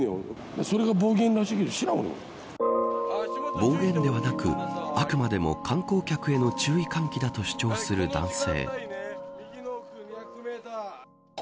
暴言ではなくあくまでも観光客への注意喚起だと主張する男性。